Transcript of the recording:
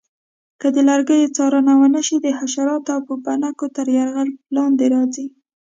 که د لرګیو څارنه ونه شي د حشراتو او پوپنکو تر یرغل لاندې راځي.